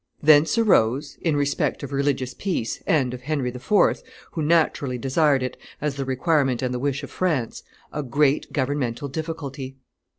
Thence arose, in respect of religious peace, and of Henry IV., who naturally desired it as the requirement and the wish of France, a great governmental difficulty.